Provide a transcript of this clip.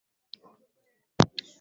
Hotuba ya rais.